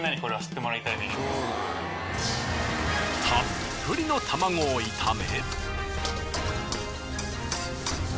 たっぷりの卵を炒め。